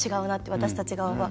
私たち側は。